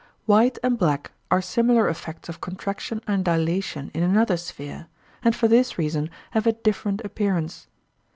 White and black are similar effects of contraction and dilation in another sphere, and for this reason have a different appearance.